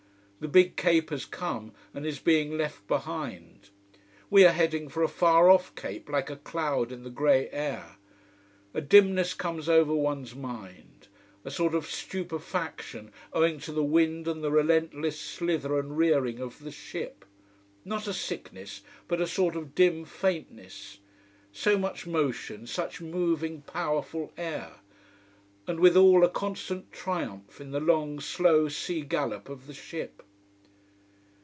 The big cape has come and is being left behind: we are heading for a far off cape like a cloud in the grey air. A dimness comes over one's mind: a sort of stupefaction owing to the wind and the relentless slither and rearing of the ship. Not a sickness, but a sort of dim faintness. So much motion, such moving, powerful air. And withal a constant triumph in the long, slow sea gallop of the ship.